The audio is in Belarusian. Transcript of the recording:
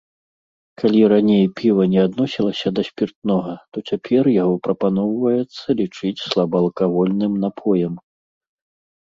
Калі раней піва не адносілася да спіртнога, то цяпер яго прапаноўваецца лічыць слабаалкагольным напоем.